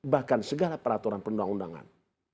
bahkan segala peraturan perundang undangan